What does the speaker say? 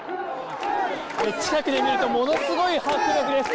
近くで見るとものすごい迫力です。